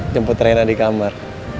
jemput rena di kamar